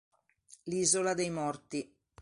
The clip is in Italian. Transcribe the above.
L'isola dei morti